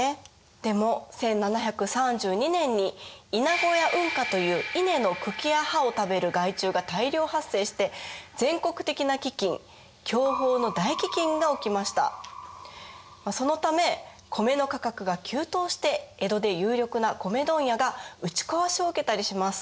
でも１７３２年にイナゴやウンカという稲の茎や葉を食べる害虫が大量発生して全国的な飢饉そのため米の価格が急騰して江戸で有力な米問屋が打ちこわしを受けたりします。